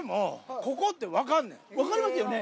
分かりますよね？